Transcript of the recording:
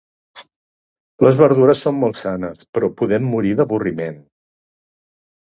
Les verdures són molt sanes, però podem morir d'avorriment.